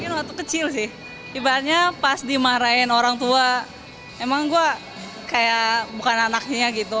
waktu kecil sih ibaratnya pas dimarahin orang tua emang gue kayak bukan anaknya gitu